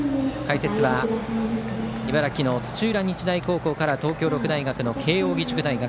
解説は茨城の土浦日大高校から東京六大学の慶応義塾大学。